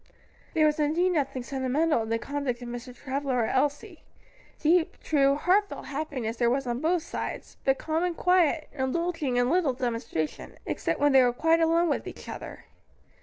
There was indeed nothing sentimental in the conduct of Mr. Travilla or Elsie: deep, true, heartfelt happiness there was on both sides, but calm and quiet, indulging in little demonstration, except when they were quite alone with each other.